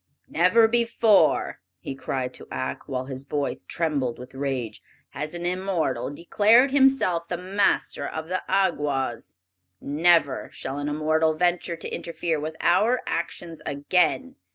"Never before," he cried to Ak, while his voice trembled with rage, "has an immortal declared himself the master of the Awgwas! Never shall an immortal venture to interfere with our actions again!